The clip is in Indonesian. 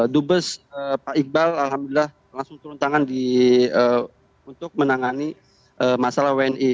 dubes pak iqbal alhamdulillah langsung turun tangan untuk menangani masalah wni